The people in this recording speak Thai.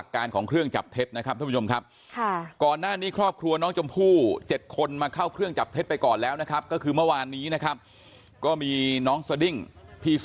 ปากคำโดยโดยไม่ต้องเข้าเครื่องจับเท็จนะครับขณะที่พ่อ